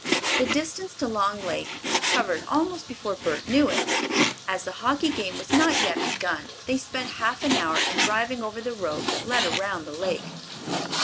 The distance to Long Lake was covered almost before Bert knew it. As the hockey game was not yet begun they spent half an hour in driving over the road that led around the lake.